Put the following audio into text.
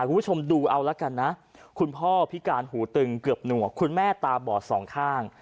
คุณผู้ชมดูเอาละกันนะคุณพ่อพิการหูตึงเกือบหนวกคุณแม่ตาบอดสองข้าง